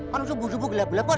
kan subuh subuh gelap gelap kan